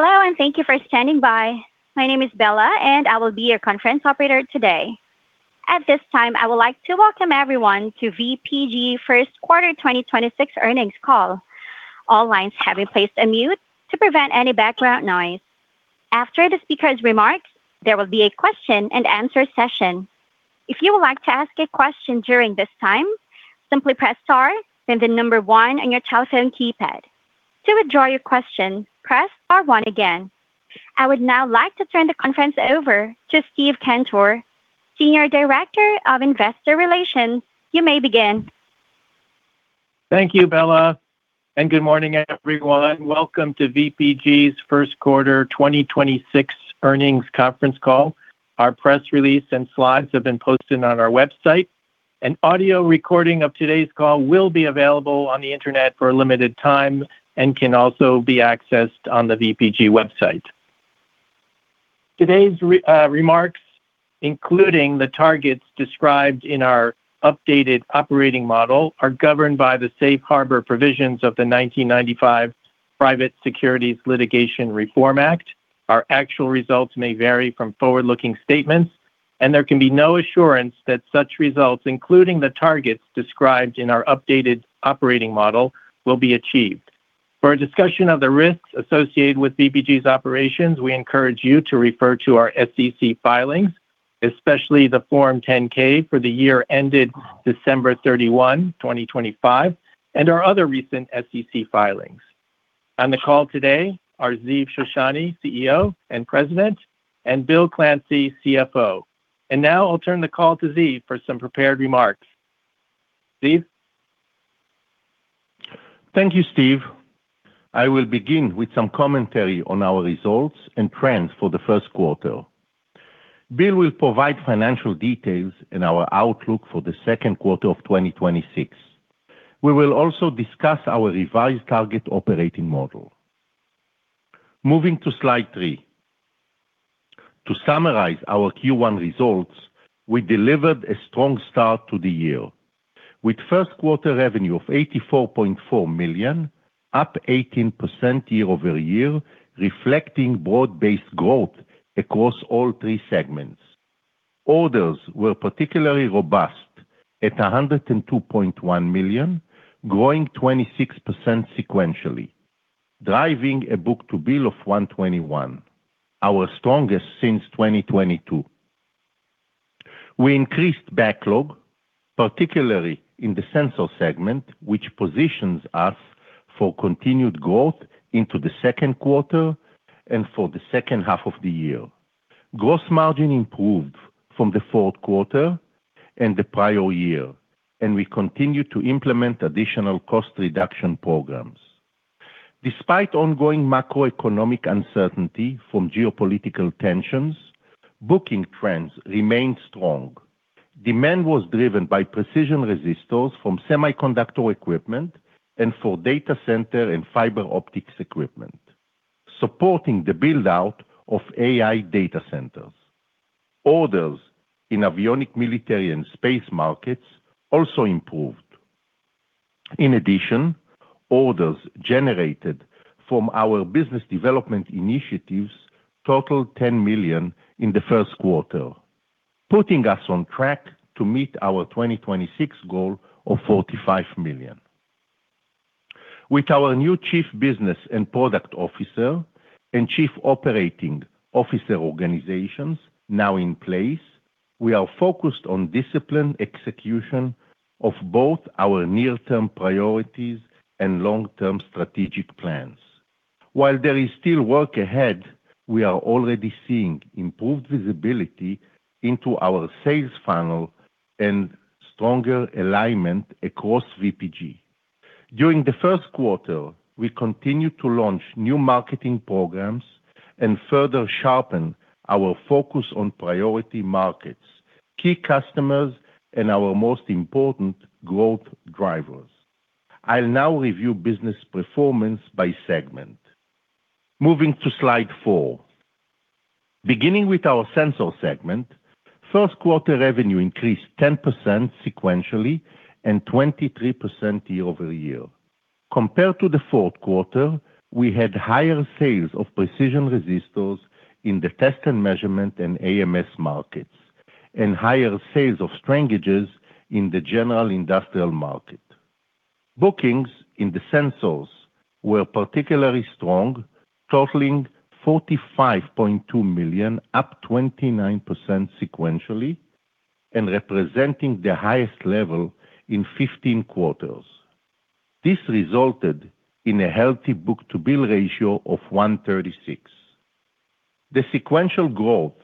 Hello, thank you for standing by. My name is Bella, I will be your conference operator today. At this time, I would like to welcome everyone to VPG first quarter 2026 earnings call. All lines have been placed on mute to prevent any background noise. After the speaker's remarks, there will be a question and answer session. If you would like to ask a question during this time, simply press star, then the number one on your telephone keypad. To withdraw your question, press star one again. I would now like to turn the conference over to Steve Cantor, Senior Director of Investor Relations. You may begin. Thank you, Bella, and good morning, everyone. Welcome to VPG's first quarter 2026 earnings conference call. Our press release and slides have been posted on our website. An audio recording of today's call will be available on the internet for a limited time and can also be accessed on the VPG website. Today's remarks, including the targets described in our updated operating model, are governed by the safe harbor provisions of the 1995 Private Securities Litigation Reform Act. Our actual results may vary from forward-looking statements, and there can be no assurance that such results, including the targets described in our updated operating model, will be achieved. For a discussion of the risks associated with VPG's operations, we encourage you to refer to our SEC filings, especially the Form 10-K for the year ended December 31, 2025, and our other recent SEC filings. On the call today are Ziv Shoshani, CEO and President, and Bill Clancy, CFO. Now I'll turn the call to Ziv for some prepared remarks. Ziv? Thank you, Steve. I will begin with some commentary on our results and trends for the first quarter. Bill will provide financial details in our outlook for the second quarter of 2026. We will also discuss our revised target operating model. Moving to slide three. To summarize our Q1 results, we delivered a strong start to the year, with first quarter revenue of $84.4 million, up 18% year-over-year, reflecting broad-based growth across all three segments. Orders were particularly robust at $102.1 million, growing 26% sequentially, driving a book-to-bill of 121, our strongest since 2022. We increased backlog, particularly in the Sensor segment, which positions us for continued growth into the second quarter and for the second half of the year. Gross margin improved from the fourth quarter and the prior year. We continue to implement additional cost reduction programs. Despite ongoing macroeconomic uncertainty from geopolitical tensions, booking trends remained strong. Demand was driven by precision resistors from semiconductor equipment and for data center and fiber optics equipment, supporting the build-out of AI data centers. Orders in avionics, military, and space markets also improved. In addition, orders generated from our business development initiatives totaled $10 million in the first quarter, putting us on track to meet our 2026 goal of $45 million. With our new Chief Business and Product Officer and Chief Operating Officer organizations now in place, we are focused on disciplined execution of both our near-term priorities and long-term strategic plans. While there is still work ahead, we are already seeing improved visibility into our sales funnel and stronger alignment across VPG. During the first quarter, we continued to launch new marketing programs and further sharpen our focus on priority markets, key customers, and our most important growth drivers. I'll now review business performance by segment. Moving to slide four. Beginning with our Sensor segment, first quarter revenue increased 10% sequentially and 23% year-over-year. Compared to the fourth quarter, we had higher sales of precision resistors in the test and measurement and AMS markets and higher sales of strain gages in the general industrial market. Bookings in the Sensors were particularly strong, totaling $45.2 million, up 29% sequentially and representing the highest level in 15 quarters. This resulted in a healthy book-to-bill ratio of 1.36. The sequential growth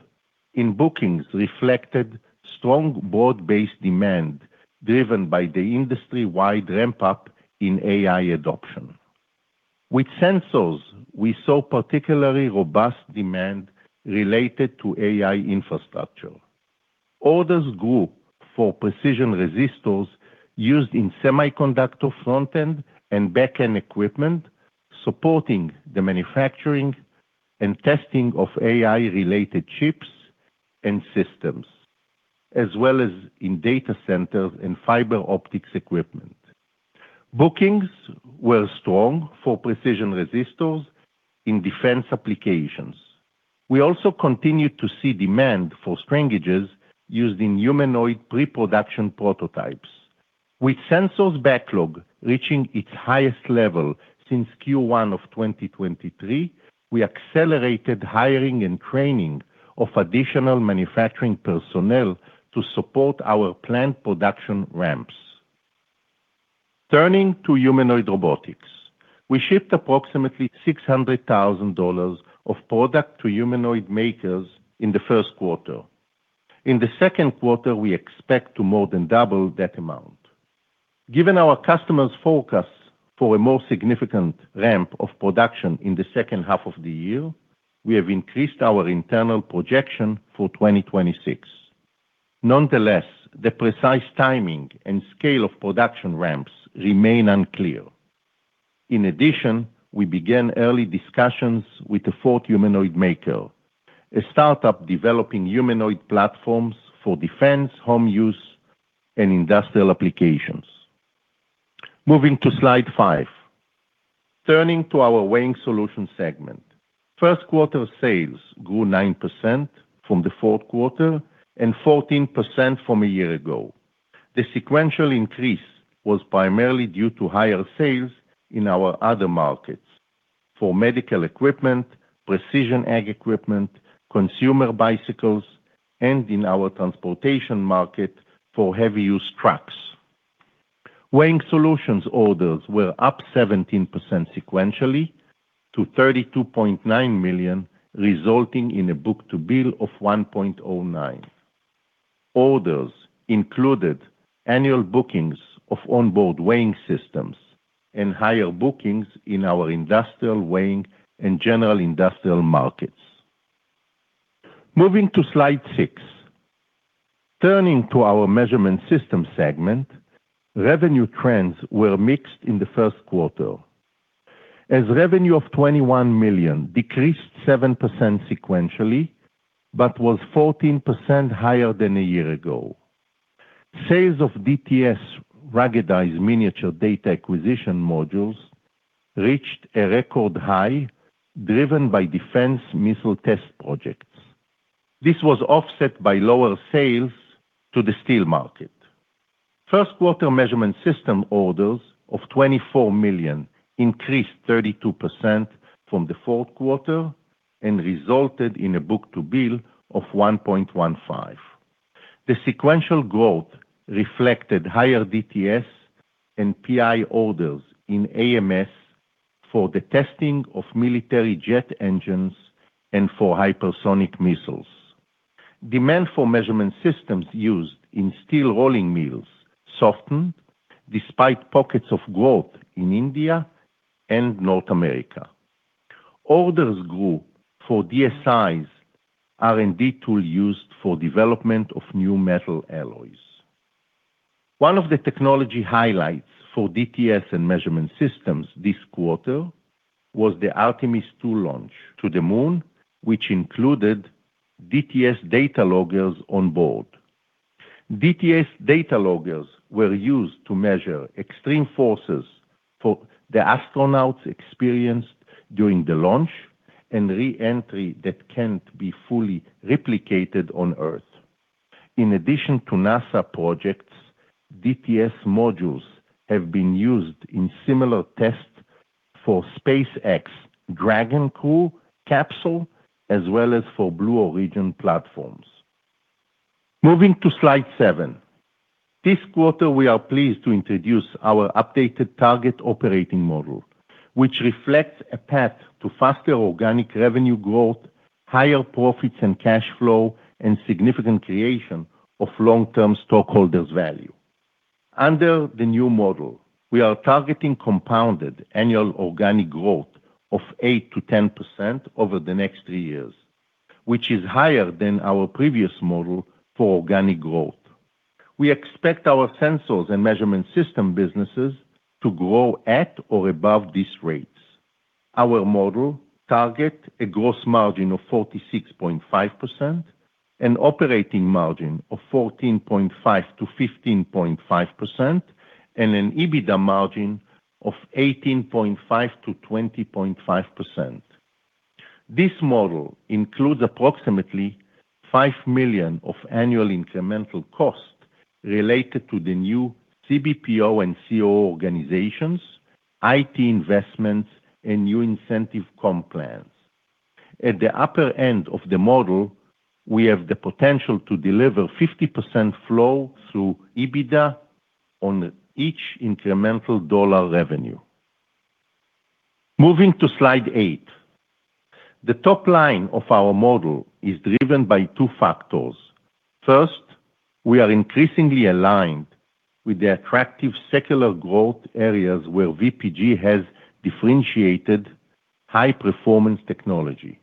in bookings reflected strong broad-based demand driven by the industry-wide ramp up in AI adoption. With Sensors, we saw particularly robust demand related to AI infrastructure. Orders grew for precision resistors used in semiconductor front-end and back-end equipment, supporting the manufacturing and testing of AI-related chips and systems, as well as in data centers and fiber optics equipment. Bookings were strong for precision resistors in defense applications. We also continued to see demand for strain gauges used in humanoid pre-production prototypes. With Sensors backlog reaching its highest level since Q1 of 2023, we accelerated hiring and training of additional manufacturing personnel to support our planned production ramps. Turning to humanoid robotics, we shipped approximately $600,000 of product to humanoid makers in the first quarter. In the second quarter, we expect to more than double that amount. Given our customers' forecasts for a more significant ramp of production in the second half of the year, we have increased our internal projection for 2026. Nonetheless, the precise timing and scale of production ramps remain unclear. In addition, we began early discussions with a fourth humanoid maker, a startup developing humanoid platforms for defense, home use, and industrial applications. Moving to slide five. Turning to our Weighing Solutions segment, first quarter sales grew 9% from the fourth quarter and 14% from a year ago. The sequential increase was primarily due to higher sales in our other markets for medical equipment, precision ag equipment, consumer bicycles, and in our transportation market for heavy-use trucks. Weighing Solutions orders were up 17% sequentially to $32.9 million, resulting in a book-to-bill of 1.09. Orders included annual bookings of onboard weighing systems and higher bookings in our industrial weighing and general industrial markets. Moving to slide six. Turning to our Measurement Systems segment, revenue trends were mixed in the first quarter as revenue of $21 million decreased 7% sequentially, but was 14% higher than a year ago. Sales of DTS ruggedized miniature data acquisition modules reached a record high, driven by defense missile test projects. This was offset by lower sales to the steel market. First quarter measurement system orders of $24 million increased 32% from the fourth quarter and resulted in a book-to-bill of 1.15. The sequential growth reflected higher DTS and PI orders in AMS for the testing of military jet engines and for hypersonic missiles. Demand for measurement systems used in steel rolling mills softened despite pockets of growth in India and North America. Orders grew for DSI's R&D tool used for development of new metal alloys. One of the technology highlights for DTS and Measurement Systems this quarter was the Artemis II launch to the moon, which included DTS data loggers on board. DTS data loggers were used to measure extreme forces for the astronauts experienced during the launch and re-entry that can't be fully replicated on Earth. In addition to NASA projects, DTS modules have been used in similar tests for SpaceX Dragon crew capsule, as well as for Blue Origin platforms. Moving to slide seven. This quarter, we are pleased to introduce our updated target operating model, which reflects a path to faster organic revenue growth, higher profits and cash flow, and significant creation of long-term stockholders value. Under the new model, we are targeting compounded annual organic growth of 8%-10% over the next three years, which is higher than our previous model for organic growth. We expect our Sensors and Measurement System businesses to grow at or above these rates. Our model target a gross margin of 46.5% and operating margin of 14.5%-15.5% and an EBITDA margin of 18.5%-20.5%. This model includes approximately $5 million of annual incremental cost related to the new CBPO and COO organizations, IT investments, and new incentive comp plans. At the upper end of the model, we have the potential to deliver 50% flow through EBITDA on each incremental dollar revenue. Moving to slide 8. The top line of our model is driven by 2 factors. First, we are increasingly aligned with the attractive secular growth areas where VPG has differentiated high-performance technology.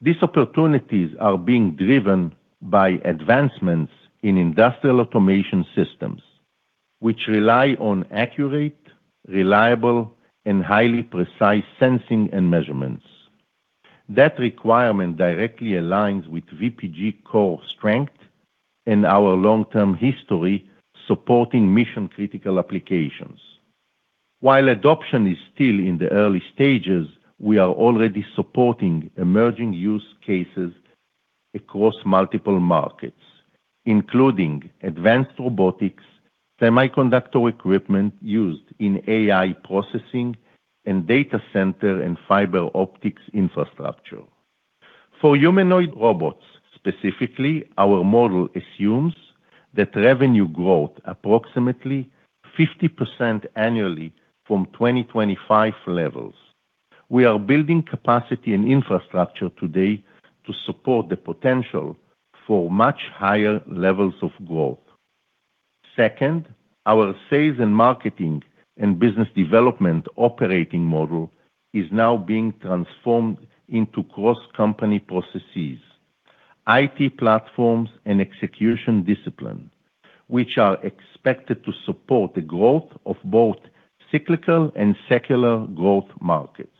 These opportunities are being driven by advancements in industrial automation systems, which rely on accurate, reliable, and highly precise sensing and measurements. That requirement directly aligns with VPG core strength and our long-term history supporting mission-critical applications. While adoption is still in the early stages, we are already supporting emerging use cases across multiple markets, including advanced robotics, semiconductor equipment used in AI processing, and data center and fiber optics infrastructure. For humanoid robots specifically, our model assumes that revenue growth approximately 50% annually from 2025 levels. We are building capacity and infrastructure today to support the potential for much higher levels of growth. Second, our sales and marketing and business development operating model is now being transformed into cross-company processes, IT platforms, and execution discipline, which are expected to support the growth of both cyclical and secular growth markets.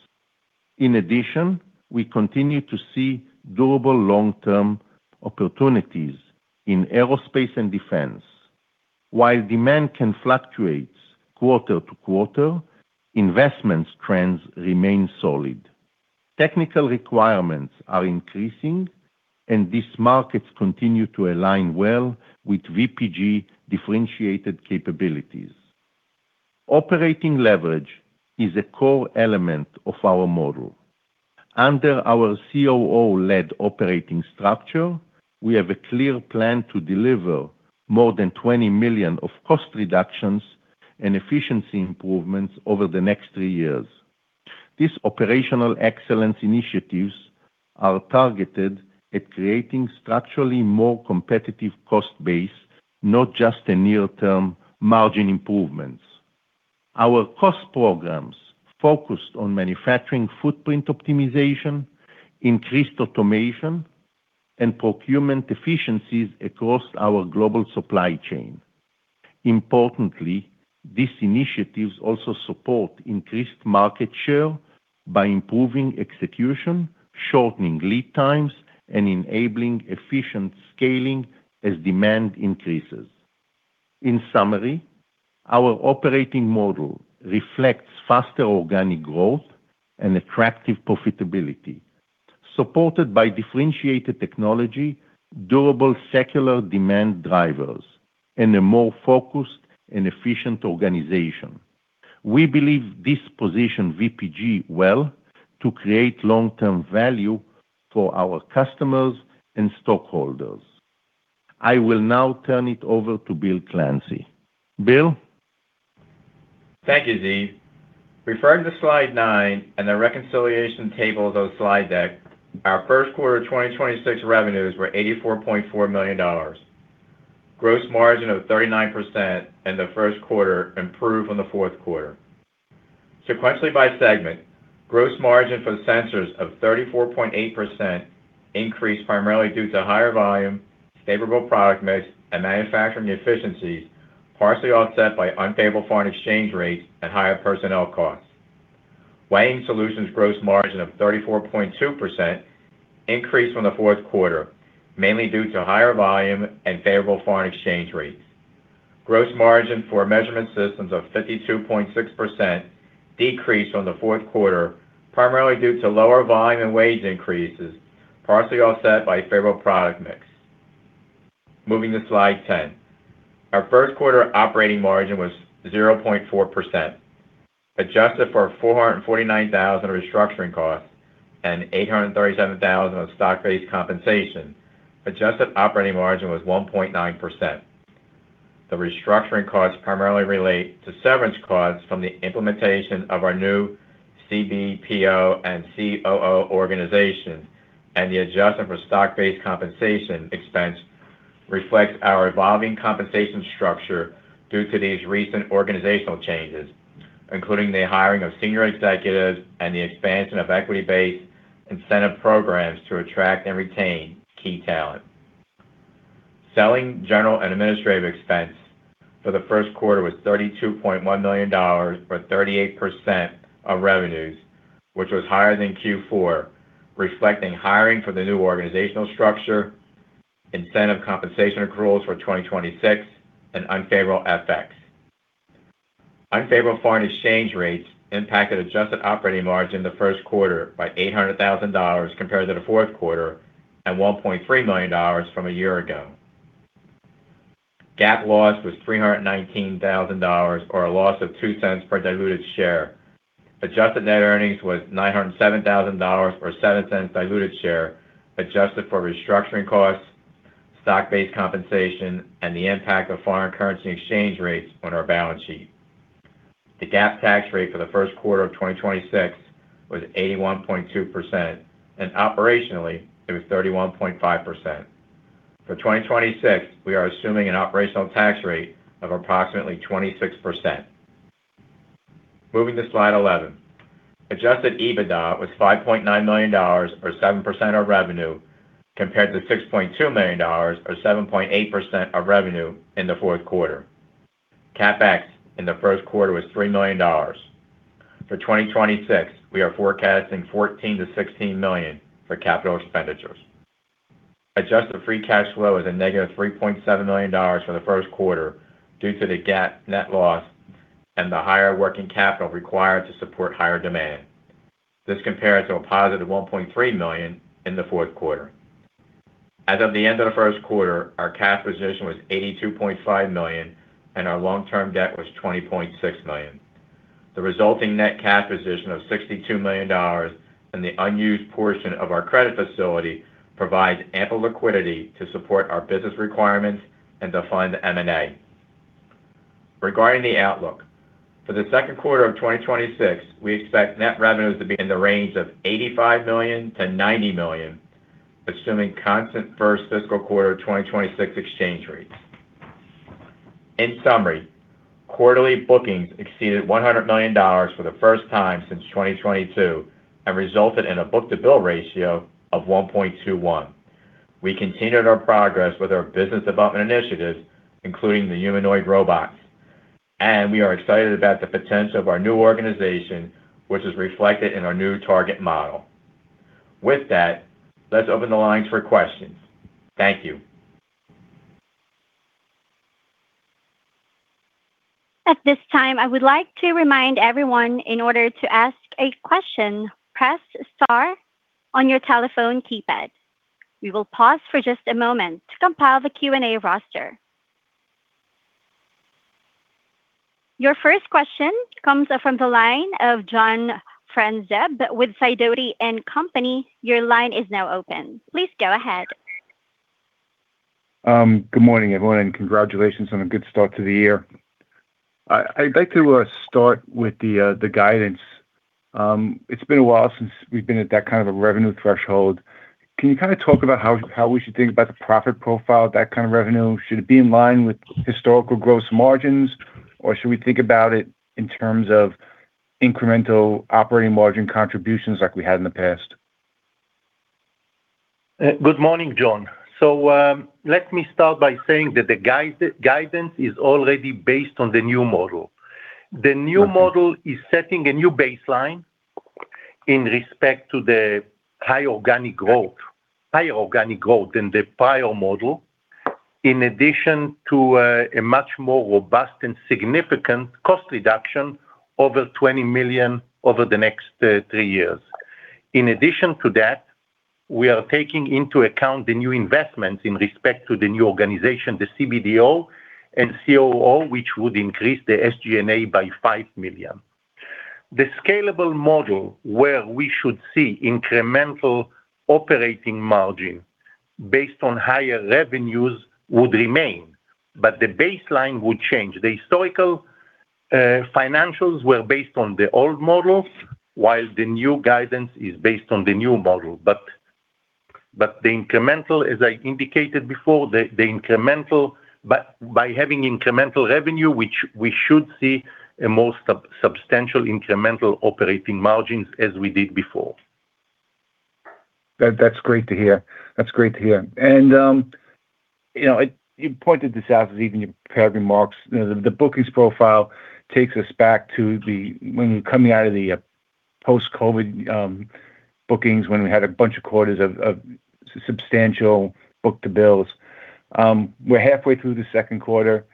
In addition, we continue to see durable long-term opportunities in aerospace and defense. While demand can fluctuate quarter to quarter, investment trends remain solid. Technical requirements are increasing, and these markets continue to align well with VPG differentiated capabilities. Operating leverage is a core element of our model. Under our COO-led operating structure, we have a clear plan to deliver more than $20 million of cost reductions and efficiency improvements over the next three years. These operational excellence initiatives are targeted at creating structurally more competitive cost base, not just a near-term margin improvements. Our cost programs focused on manufacturing footprint optimization, increased automation, and procurement efficiencies across our global supply chain. Importantly, these initiatives also support increased market share by improving execution, shortening lead times, and enabling efficient scaling as demand increases. In summary, our operating model reflects faster organic growth and attractive profitability, supported by differentiated technology, durable secular demand drivers, and a more focused and efficient organization. We believe this positions VPG well to create long-term value for our customers and stockholders. I will now turn it over to Bill Clancy. Bill? Thank you, Ziv. Referring to slide nine and the reconciliation table of those slide deck, our first quarter of 2026 revenues were $84.4 million. Gross margin of 39% in the first quarter improved from the fourth quarter. Sequentially by segment, gross margin for the Sensors of 34.8% increased primarily due to higher volume, favorable product mix, and manufacturing efficiencies, partially offset by unfavorable foreign exchange rates and higher personnel costs. Weighing Solutions gross margin of 34.2% increased from the fourth quarter, mainly due to higher volume and favorable foreign exchange rates. Gross margin for measurement systems of 52.6% decreased from the fourth quarter, primarily due to lower volume and wage increases, partially offset by favorable product mix. Moving to slide 10. Our first quarter operating margin was 0.4%. Adjusted for $449,000 restructuring costs and $837,000 of stock-based compensation, adjusted operating margin was 1.9%. The restructuring costs primarily relate to severance costs from the implementation of our new CBPO and COO organization, and the adjustment for stock-based compensation expense reflects our evolving compensation structure due to these recent organizational changes, including the hiring of senior executives and the expansion of equity-based incentive programs to attract and retain key talent. Selling general and administrative expense for the first quarter was $32.1 million, or 38% of revenues, which was higher than Q4, reflecting hiring for the new organizational structure, incentive compensation accruals for 2026, and unfavorable FX. Unfavorable foreign exchange rates impacted adjusted operating margin in the first quarter by $800,000 compared to the fourth quarter and $1.3 million from a year ago. GAAP loss was $319,000, or a loss of $0.02 per diluted share. Adjusted net earnings was $907,000, or $0.07 diluted share, adjusted for restructuring costs, stock-based compensation, and the impact of foreign currency exchange rates on our balance sheet. The GAAP tax rate for the first quarter of 2026 was 81.2%, and operationally, it was 31.5%. For 2026, we are assuming an operational tax rate of approximately 26%. Moving to slide 11. Adjusted EBITDA was $5.9 million, or 7% of revenue, compared to $6.2 million, or 7.8% of revenue in the fourth quarter. CapEx in the first quarter was $3 million. For 2026, we are forecasting $14 million-$16 million for capital expenditures. Adjusted free cash flow is a negative $3.7 million for the first quarter due to the GAAP net loss and the higher working capital required to support higher demand. This compares to a positive $1.3 million in the fourth quarter. As of the end of the first quarter, our cash position was $82.5 million, and our long-term debt was $20.6 million. The resulting net cash position of $62 million and the unused portion of our credit facility provides ample liquidity to support our business requirements and to fund M&A. Regarding the outlook, for the second quarter of 2026, we expect net revenues to be in the range of $85 million-$90 million, assuming constant first fiscal quarter of 2026 exchange rates. In summary, quarterly bookings exceeded $100 million for the first time since 2022 and resulted in a book-to-bill ratio of 1.21. We continued our progress with our business development initiatives, including the humanoid robots, and we are excited about the potential of our new organization, which is reflected in our new target model. With that, let's open the lines for questions. Thank you. At this time, I would like to remind everyone in order to ask a question, press star on your telephone keypad. We will pause for just a moment to compile the Q&A roster. Your first question comes from the line of John Franzreb with Sidoti & Company. Your line is now open. Please go ahead. Good morning, everyone, and congratulations on a good start to the year. I'd like to start with the guidance. It's been a while since we've been at that kind of a revenue threshold. Can you kind of talk about how we should think about the profit profile, that kind of revenue? Should it be in line with historical gross margins, or should we think about it in terms of incremental operating margin contributions like we had in the past? Good morning, John. Let me start by saying that the guidance is already based on the new model. Okay. The new model is setting a new baseline in respect to the high organic growth, high organic growth in the prior model, in addition to a much more robust and significant cost reduction over $20 million over the next three years. In addition to that, we are taking into account the new investments in respect to the new organization, the CBPO and COO, which would increase the SG&A by $5 million. The scalable model where we should see incremental operating margin based on higher revenues would remain, but the baseline would change. The historical financials were based on the old models, while the new guidance is based on the new model. The incremental, as I indicated before, by having incremental revenue, which we should see a more substantial incremental operating margins as we did before. That's great to hear. That's great to hear. You know, you pointed this out as even your prepared remarks. You know, the bookings profile takes us back to when coming out of the post-COVID bookings, when we had a bunch of quarters of substantial book-to-bills. We're halfway through the second quarter.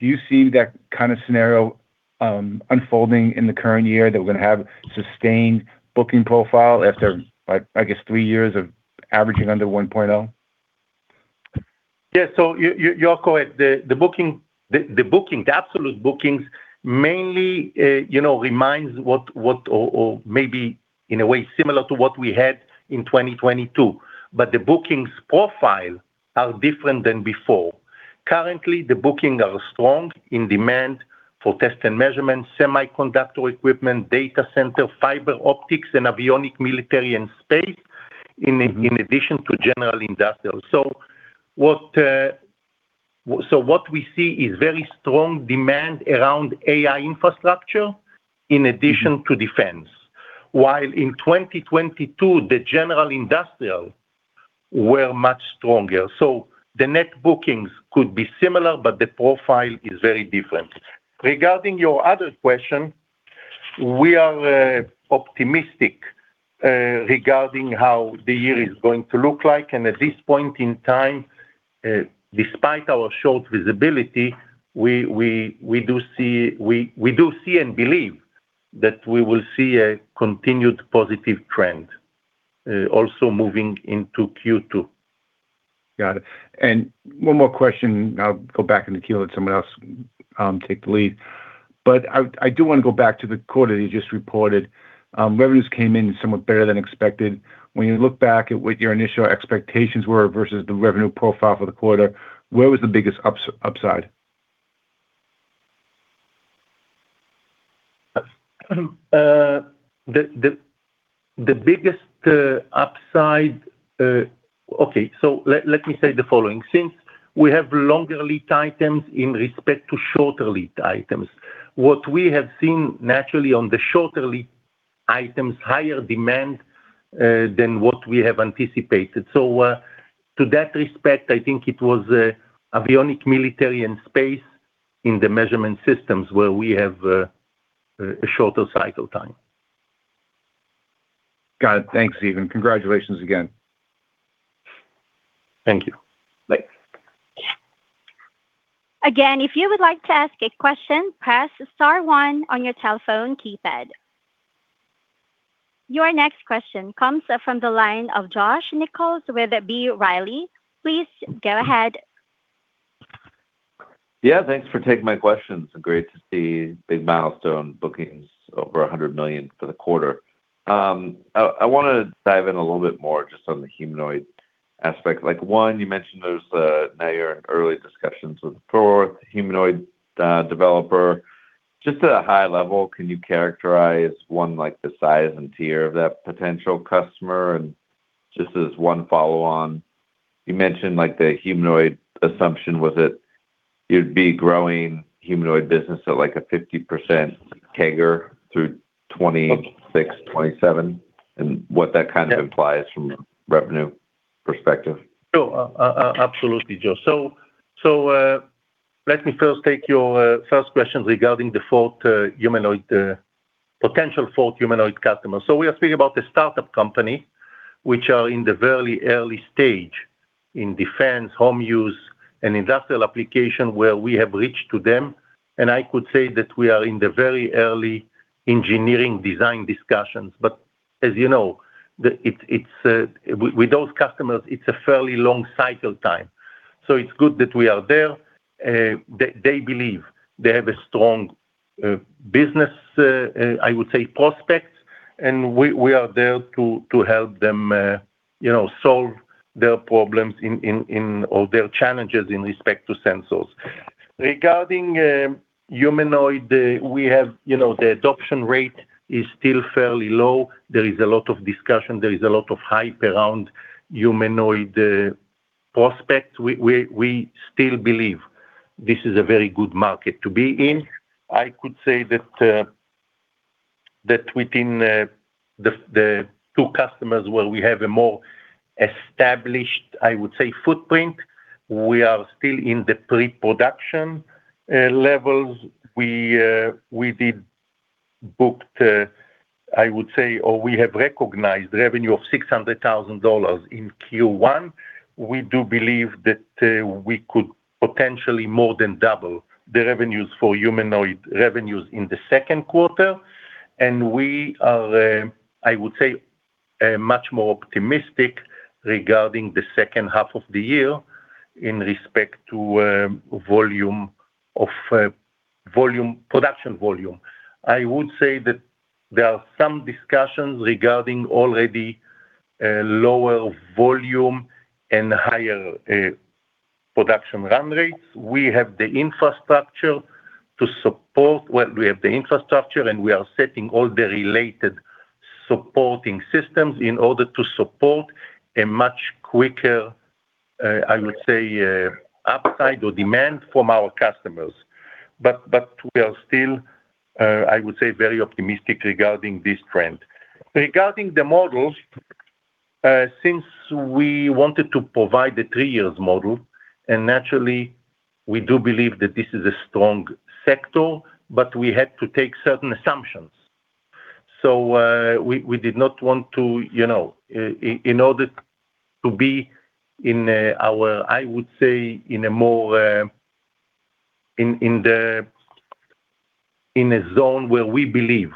Do you see that kind of scenario unfolding in the current year, that we're gonna have sustained booking profile after, I guess, three years of averaging under 1.0? Yeah. You're correct. The absolute bookings mainly, you know, reminds what or maybe in a way similar to what we had in 2022. The bookings profile are different than before. Currently, the booking are strong in demand for test and measurement, semiconductor equipment, data center, fiber optics, and avionic, military, and space. in addition to general industrial. What we see is very strong demand around AI infrastructure in addition to defense. While in 2022, the general industrial were much stronger. The net bookings could be similar, but the profile is very different. Regarding your other question, we are optimistic regarding how the year is going to look like. At this point in time, despite our short visibility, we do see and believe that we will see a continued positive trend also moving into Q2. Got it. One more question, I'll go back in the queue, let someone else take the lead. I do wanna go back to the quarter that you just reported. Revenues came in somewhat better than expected. When you look back at what your initial expectations were versus the revenue profile for the quarter, where was the biggest upside? The biggest upside. Okay, let me say the following. Since we have longer lead items in respect to shorter lead items, what we have seen naturally on the shorter lead items higher demand than what we have anticipated. To that respect, I think it was avionic, military, and space in the measurement systems where we have a shorter cycle time. Got it. Thanks, Ziv Shoshani. Congratulations again. Thank you. Bye. Again, if you would like to ask a question, press star one on your telephone keypad. Your next question comes from the line of Josh Nichols with B. Riley. Please go ahead. Yeah, thanks for taking my questions. Great to see big milestone bookings over $100 million for the quarter. I want to dive in a little bit more just on the humanoid aspect. Like, one, you mentioned there's now you're in early discussions with fourth humanoid developer. Just at a high level, can you characterize, one, like the size and tier of that potential customer? And just as one follow on, you mentioned, like, the humanoid assumption was that you'd be growing humanoid business at, like, a 50% CAGR through 2026, 2027, and what that kind of implies from a revenue perspective. Sure. Absolutely, Josh. Let me first take your first question regarding the fourth humanoid, potential fourth humanoid customer. We are speaking about the startup company, which are in the very early stage in defense, home use, and industrial application, where we have reached to them, and I could say that we are in the very early engineering design discussions. As you know, it's with those customers, it's a fairly long cycle time, so it's good that we are there. They believe they have a strong business, I would say, prospects, and we are there to help them, you know, solve their problems in or their challenges in respect to Sensors. Regarding humanoid, we have, you know, the adoption rate is still fairly low. There is a lot of discussion. There is a lot of hype around humanoid prospects. We still believe this is a very good market to be in. I could say that within the two customers where we have a more established, I would say, footprint, we are still in the pre-production levels. We did booked, I would say Or we have recognized revenue of $600,000 in Q1. We do believe that we could potentially more than double the revenues for humanoid revenues in the second quarter, and we are, I would say, much more optimistic regarding the second half of the year in respect to production volume. I would say that there are some discussions regarding already lower volume and higher production run rates. Well, we have the infrastructure, and we are setting all the related supporting systems in order to support a much quicker, I would say, upside or demand from our customers. We are still, I would say, very optimistic regarding this trend. Regarding the models, since we wanted to provide the three years model, and naturally, we do believe that this is a strong sector, but we had to take certain assumptions. We did not want to, you know in order to be in our, I would say, in a more, in the, in a zone where we believe.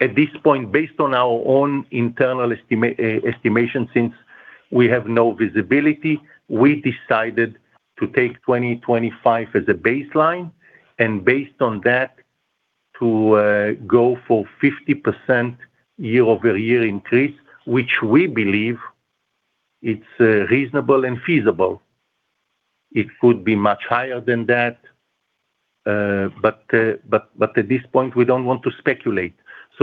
At this point, based on our own internal estimation, since we have no visibility, we decided to take 2025 as a baseline, and based on that, to go for 50% year-over-year increase, which we believe it's reasonable and feasible. It could be much higher than that, but at this point, we don't want to speculate.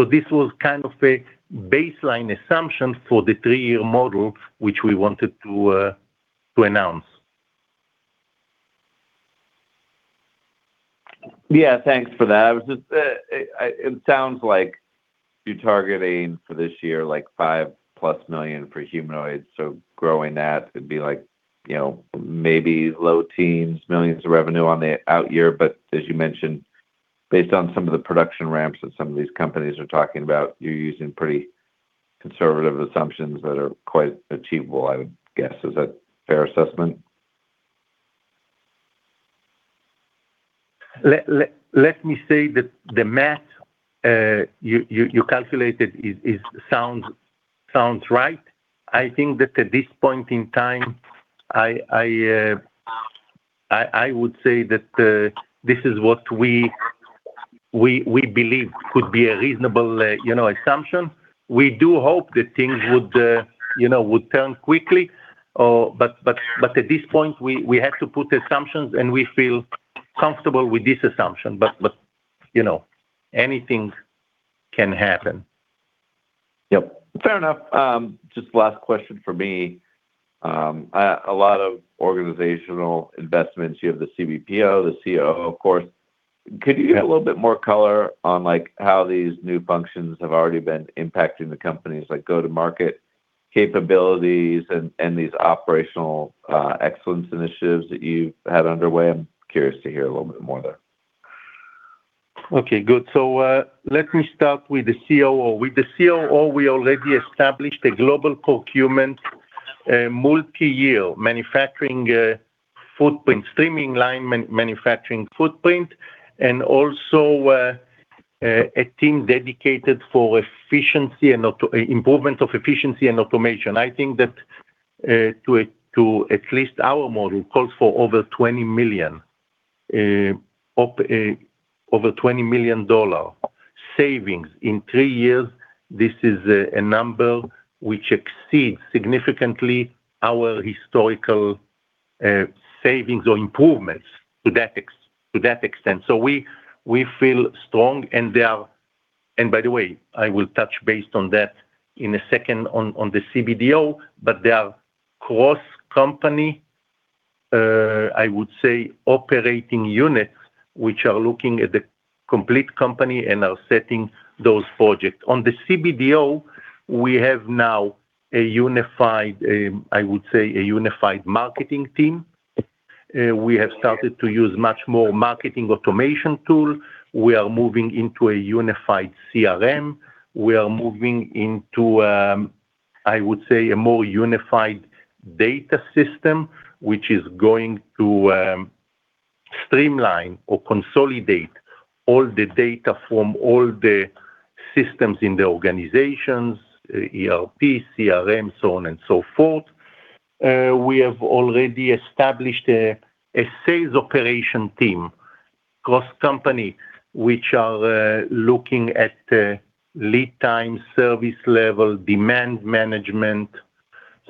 This was kind of a baseline assumption for the three-year model, which we wanted to announce. Yeah. Thanks for that. It sounds like you're targeting for this year, like $5+ million for humanoid, growing that could be like, you know, maybe low teens millions of revenue on the out year. As you mentioned, based on some of the production ramps that some of these companies are talking about, you're using pretty conservative assumptions that are quite achievable, I would guess. Is that fair assessment? Let me say that the math, you calculated is sounds right. I think that at this point in time, I would say that this is what we believe could be a reasonable, you know, assumption. We do hope that things would, you know, would turn quickly, but at this point, we have to put assumptions, and we feel comfortable with this assumption. You know, anything can happen. Yep. Fair enough. Just last question from me. A lot of organizational investments. You have the CBPO, the COO, of course. Yeah. Could you give a little bit more color on, like, how these new functions have already been impacting the company's like go-to-market capabilities and these operational excellence initiatives that you've had underway? I'm curious to hear a little bit more there. Let me start with the COO. With the COO, we already established a global procurement, a multi-year manufacturing footprint, streamlining manufacturing footprint, and also a team dedicated for improvement of efficiency and automation. I think that, to at least our model, calls for over $20 million savings in three years. This is a number which exceeds significantly our historical savings or improvements to that extent. We feel strong, and by the way, I will touch base on that in a second on the CBPO, but they are cross-company, I would say, operating units which are looking at the complete company and are setting those projects. On the CBPO, we have now a unified, I would say, a unified marketing team. We have started to use much more marketing automation tool. We are moving into a unified CRM. We are moving into, I would say, a more unified data system, which is going to streamline or consolidate all the data from all the systems in the organizations, ERP, CRM, so on and so forth. We have already established a sales operation team cross-company, which are looking at lead time, service level, demand management.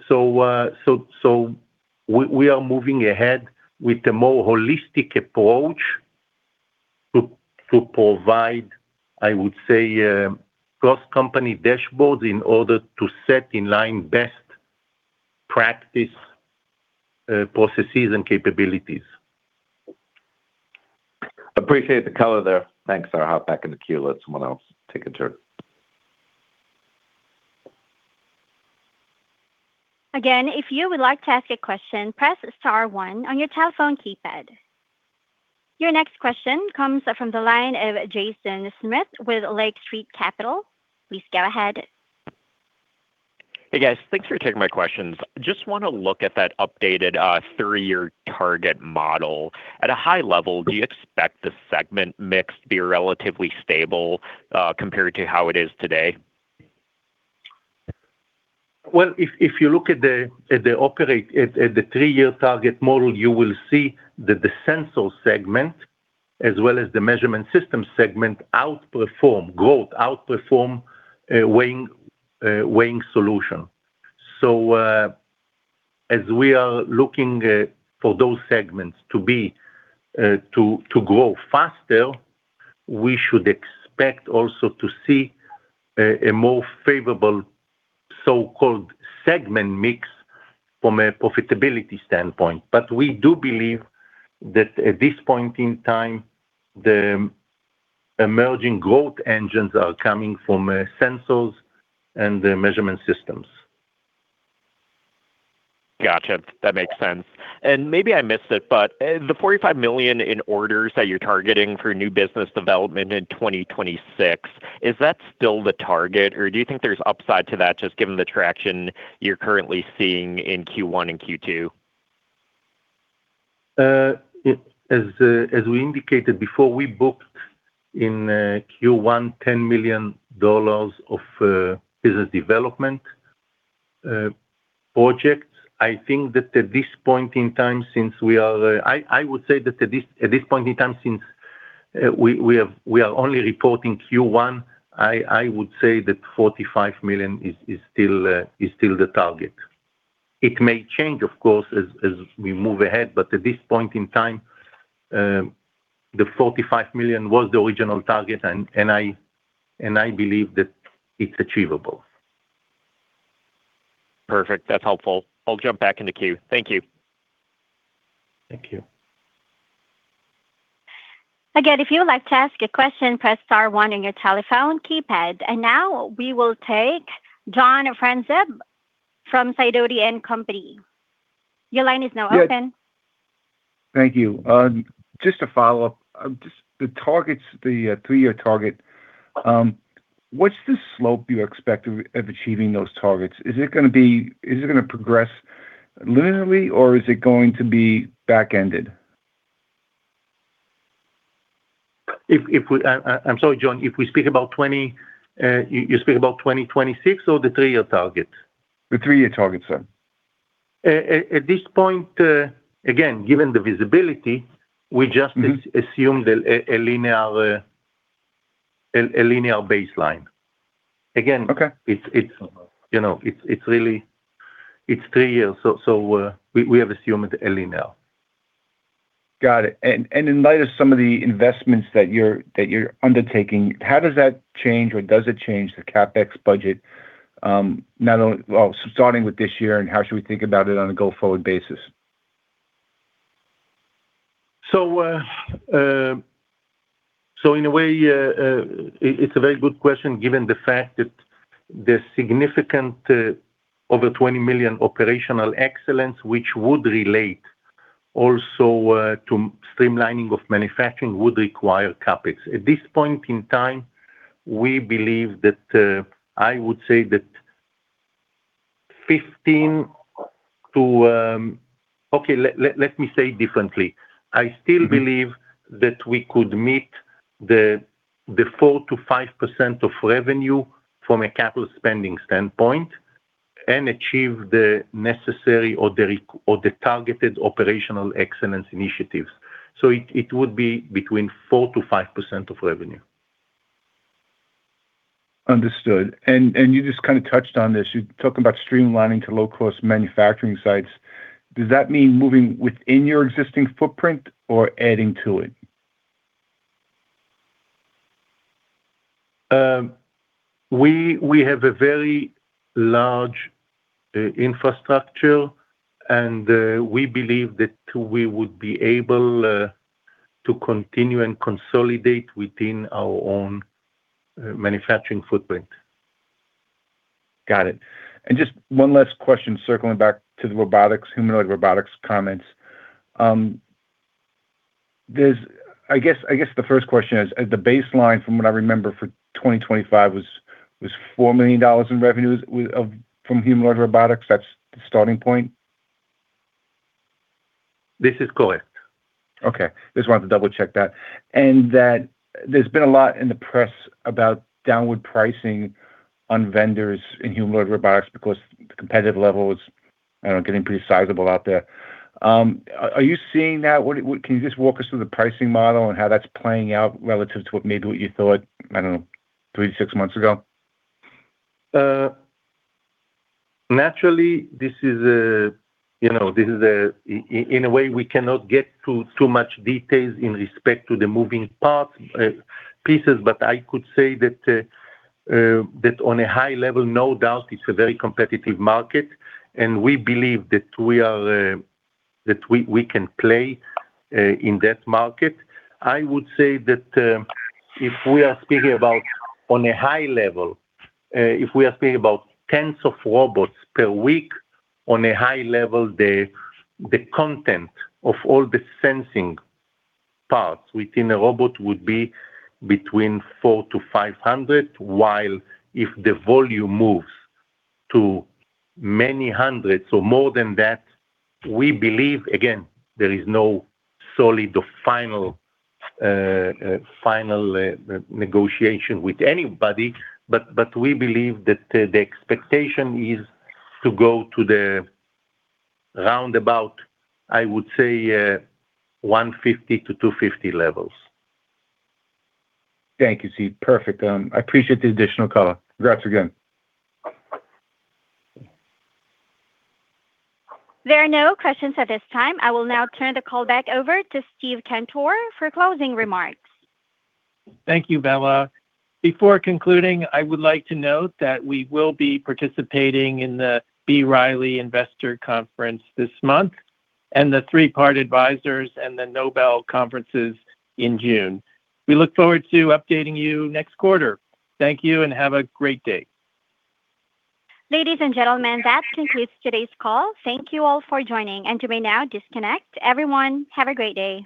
We are moving ahead with a more holistic approach to provide, I would say, a cross-company dashboards in order to set in line best practice processes and capabilities. Appreciate the color there. Thanks. I'll hop back in the queue, let someone else take a turn. Again, if you would like to ask a question, press star one on your telephone keypad. Your next question comes from the line of Jason Smith with Lake Street Capital. Please go ahead. Hey, guys. Thanks for taking my questions. Just wanna look at that updated three-year target model. At a high level, do you expect the segment mix to be relatively stable compared to how it is today? If you look at the three-year target model, you will see that the Sensor segment as well as the measurement systems segment outperform growth, outperform Weighing Solution. As we are looking for those segments to grow faster, we should expect also to see a more favorable so-called segment mix from a profitability standpoint. We do believe that at this point in time, the emerging growth engines are coming from Sensors and the Measurement Systems Gotcha. That makes sense. Maybe I missed it, but the $45 million in orders that you're targeting for new business development in 2026, is that still the target, or do you think there's upside to that just given the traction you're currently seeing in Q1 and Q2? As we indicated before, we booked in Q1 $10 million of business development projects. I would say that at this point in time since we are only reporting Q1, I would say that $45 million is still the target. It may change, of course, as we move ahead, but at this point in time, the $45 million was the original target and I believe that it's achievable. Perfect. That's helpful. I'll jump back in the queue. Thank you. Thank you. Again, if you would like to ask a question, press star one on your telephone keypad. Now we will take John Franzreb from Sidoti & Company. Your line is now open. Thank you. Just to follow up, just the targets, the three-year target, what's the slope you expect of achieving those targets? Is it gonna progress linearly, or is it going to be back-ended? If we, I'm sorry, John, if we speak about 2026, you speak about 2026 or the three-year target? The three-year target, sir. At this point, again, given the visibility. Assume a linear baseline. Okay. It's, you know, it's really, it's three years. We have assumed a linear. Got it. In light of some of the investments that you're undertaking, how does that change or does it change the CapEx budget, Well, starting with this year, and how should we think about it on a go-forward basis? In a way, it's a very good question given the fact that the significant, over $20 million operational excellence which would relate also, to streamlining of manufacturing would require CapEx. At this point in time, we believe that, Okay, let me say it differently. I still believe that we could meet the 4%-5% of revenue from a capital spending standpoint and achieve the necessary or the targeted operational excellence initiatives. It would be between 4%-5% of revenue. Understood. You just kind of touched on this. You talked about streamlining to low-cost manufacturing sites. Does that mean moving within your existing footprint or adding to it? We have a very large infrastructure, and we believe that we would be able to continue and consolidate within our own manufacturing footprint. Got it. Just one last question circling back to the robotics, humanoid robotics comments. I guess the first question is, at the baseline from what I remember for 2025 was $4 million in revenues from humanoid robotics. That's the starting point? This is correct. Okay. Just wanted to double-check that. That there's been a lot in the press about downward pricing on vendors in humanoid robotics because the competitive level is, I don't know, getting pretty sizable out there. Are you seeing that? Can you just walk us through the pricing model and how that's playing out relative to what maybe what you thought, I don't know, three to six months ago? Naturally this is a, you know, this is a way we cannot get to too much details in respect to the moving parts, pieces. I could say that on a high level, no doubt it's a very competitive market, and we believe that we are that we can play in that market. I would say that if we are speaking about on a high level, if we are speaking about tens of robots per week, on a high level, the content of all the sensing parts within a robot would be between 400 to 500. While if the volume moves to many hundreds or more than that, we believe, again, there is no solid or final negotiation with anybody, but we believe that the expectation is to go to the roundabout, I would say, 150 to 250 levels. Thank you, Ziv. Perfect. I appreciate the additional color. Congrats again. There are no questions at this time. I will now turn the call back over to Steve Cantor for closing remarks. Thank you, Bella. Before concluding, I would like to note that we will be participating in the B. Riley Investor Conference this month, and the Three Part Advisors and the Noble Conferences in June. We look forward to updating you next quarter. Thank you and have a great day. Ladies and gentlemen, that concludes today's call. Thank you all for joining, and you may now disconnect. Everyone, have a great day.